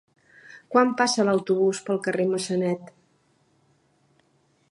Quan passa l'autobús pel carrer Massanet?